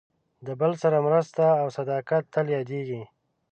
د بل سره مرسته او صداقت تل یادېږي.